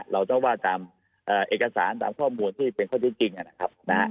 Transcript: เราต้องว่าตามเอกสารตามข้อมูลที่เป็นข้อที่จริงนะครับ